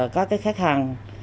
các khách hàng